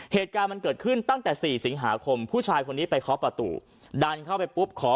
เหตุการณ์มันเกิดขึ้นตั้งแต่๔สิงหาคมผู้ชายคนนี้ไปเคาะประตูดันเข้าไปปุ๊บขอ